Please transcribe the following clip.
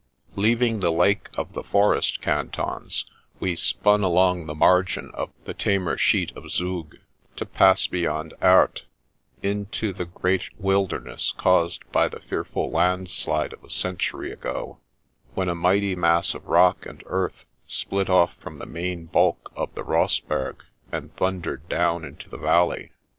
Leaving the Lake of the Forest Cantons, we spun along the margin of the tamer sheet of Zug, to pass, beyond Arth, into the great wilderness caused by the fearful landslide of a century ago, when a mighty mass of rock and earth split off from the main bulk of the Rossberg and thundered down into the valley.